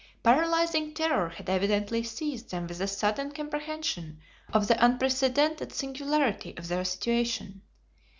Paralyzing terror had evidently seized them with the sudden comprehension of the unprecedented singularity of their situation.